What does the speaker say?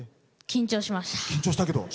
緊張しました。